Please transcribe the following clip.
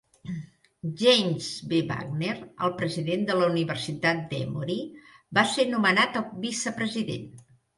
James W. Wagner, el president de la Universitat d'Emory, va ser nomenat vicepresident.